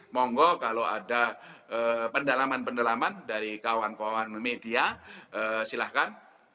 monggo kalau ada pendalaman pendalaman dari kawan kawan media silahkan